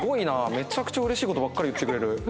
めちゃくちゃ嬉しい事ばっかり言ってくれる。